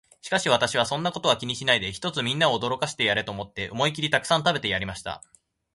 しかし私は、そんなことは気にしないで、ひとつみんなを驚かしてやれと思って、思いきりたくさん食べてやりました。